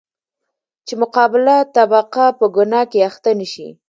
چـې مـقابله طبـقه پـه ګنـاه کـې اخـتـه نـشي.